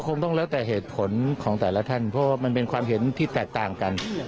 คงต้องแล้วแต่เหตุผลของแต่ละท่านเพราะว่ามันเป็นความเห็นที่แตกต่างกัน